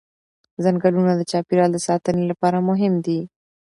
ځنګلونه د چاپېریال د ساتنې لپاره مهم دي